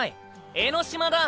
江ノ島だ！